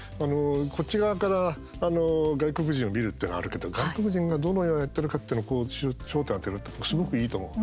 こっち側から外国人を見るっていうのはあるけど外国人がどのようにやっているかっていうのを焦点を当てるってすごくいいと思う。